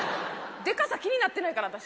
デカさ気になってないから私。